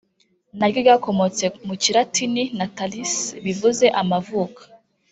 naryo ryakomotse mu Kilatini “Natalis” bivuze “amavuka”